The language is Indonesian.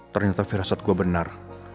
ternyata firasat gua benar